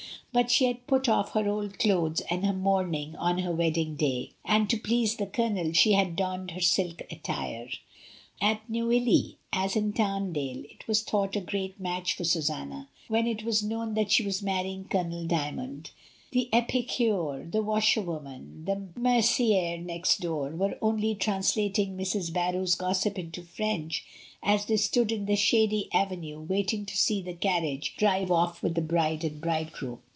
But she had put off her old clothes "and her mourning on her wedding day; and to please the Colonel she had donned her silk attire. At Neuilly, as in Tamdale, it was thought a great match for Susanna, when it was known that she was marrying Colonel Dymond. The ipiciire^ the washerwoman, the mercilrt next door, were only translating Mrs. Barrow's gossip into French as they stood in the shady avenue waiting to see the car riage drive off with the bride and bridegroom.